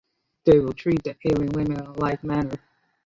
They will treat the ailing limb in a like manner.